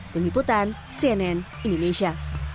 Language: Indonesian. demi putan cnn indonesia